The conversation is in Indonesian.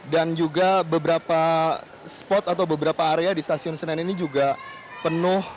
dan juga beberapa spot atau beberapa area di stasiun senen ini juga penuh